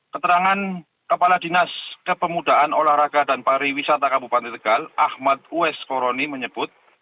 keterangan kepala dinas kepemudaan olahraga dan pariwisata kabupaten tegal ahmad ues koroni menyebut